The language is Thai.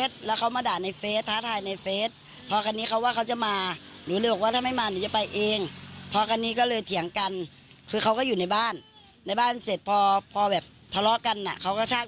สองรีหมากได้เลยฮะ